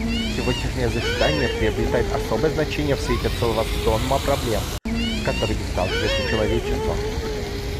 Сегодняшнее заседание приобретает особое значение в свете целого сонма проблем, с которыми сталкивается человечество.